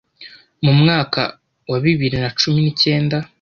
Mu mwaka wa bibiri nacumi nicyenda